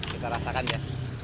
kita rasakan ya